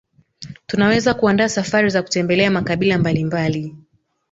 Tunaweza kuandaa safari za kutembelea makabila mbalimbali